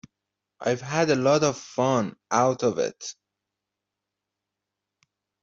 I've had a lot of fun out of it.